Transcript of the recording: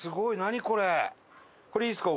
これいいですか？